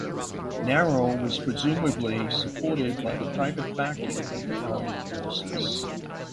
Naro was presumably supported by the private backing of the armed forces.